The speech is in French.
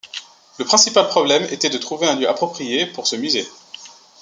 Le principal problème était de trouver un lieu approprié pour ce musée.